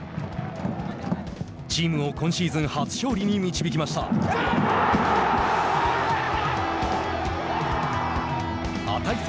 チームを今シーズン初勝利に導きました。